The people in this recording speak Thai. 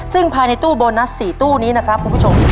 ซึ่งภายในตู้โบนัส๔ตู้นี้นะครับคุณผู้ชม